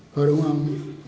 có đúng không